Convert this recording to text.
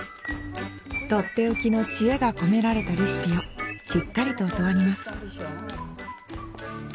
とっておきの知恵が込められたレシピをしっかりと教わります